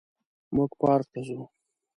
موږ پارک ته ځو